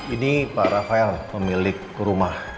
ini para file pemilik rumah